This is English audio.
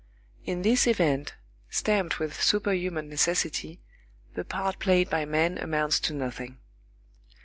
In this event, stamped with superhuman necessity, the part played by men amounts to nothing.